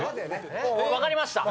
分かりました。